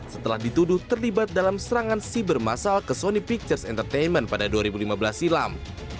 setelah dituduh terlibat dalam serangan siber masal ke sony pictures entertainment pada dua ribu lima belas silam